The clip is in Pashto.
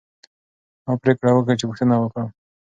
ما پریکړه وکړه چې پوښتنه وکړم.